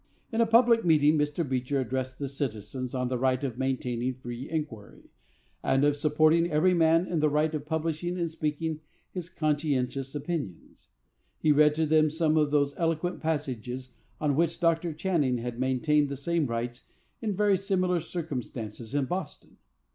In a public meeting, Mr. Beecher addressed the citizens on the right of maintaining free inquiry, and of supporting every man in the right of publishing and speaking his conscientious opinions. He read to them some of those eloquent passages in which Dr. Channing had maintained the same rights in very similar circumstances in Boston.